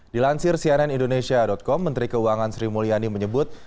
dilansir cnn indonesia com menteri keuangan sri mulyani menyebut